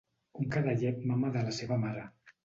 Un cadellet mama de la seva mare.